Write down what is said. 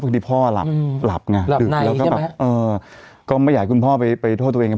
เพราะที่พ่อหลับหลับไหนแล้วก็แบบเออก็ไม่อยากคุณพ่อไปไปโทษตัวเอง